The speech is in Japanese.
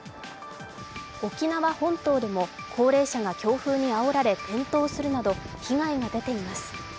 沖縄本島でも高齢者が強風にあおられ転倒するなど被害が出ています。